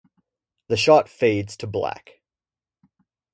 The shot fades to black.